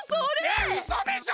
えっうそでしょ！？